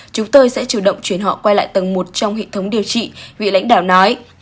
chúng tôi sẽ chủ động chuyển họ quay lại tầng một trong hệ thống điều trị vị lãnh đạo nói